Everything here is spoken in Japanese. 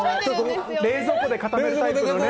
冷蔵庫で固めるタイプのね。